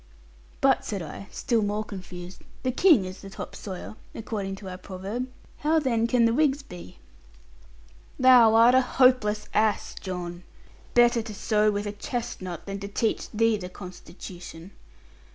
'But,' said I, still more confused, '"The King is the top sawyer," according to our proverb. How then can the Whigs be?' 'Thou art a hopeless ass, John. Better to sew with a chestnut than to teach thee the constitution.